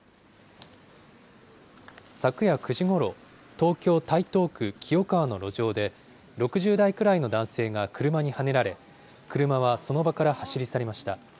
昨夜９時ごろ、東京・台東区清川の路上で、６０代くらいの男性が車にはねられ、車はその場から走り去りました。